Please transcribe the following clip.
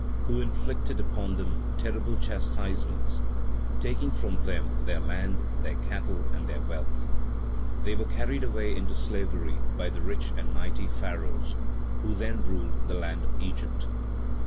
Who inflicted upon them terrible chastisements, taking from them their land, their cattle and their wealth. They were carried away into slavery by the rich and mighty Pharaohs who then ruled the land of Egypt. 3.